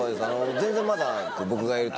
全然まだ。